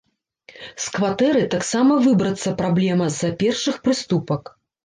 З кватэры таксама выбрацца праблема з-за першых прыступак.